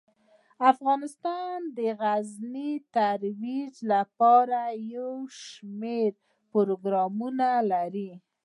افغانستان د غزني د ترویج لپاره یو شمیر پروګرامونه لري.